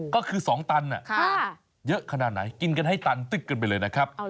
ก็คือ๒ตันเยอะขนาดไหนกินกันให้ตันตึ๊กกันไปเลยนะครับ